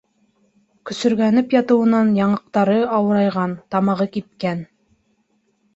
Көсөргәнеп ятыуынан яңаҡтары ауырайған, тамағы кипкән.